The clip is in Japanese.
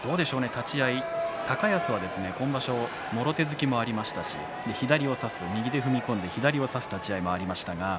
立ち合いで高安は今場所もろ手突きもありましたし左で差す、右で踏み込んで左を差す立ち合いもありました。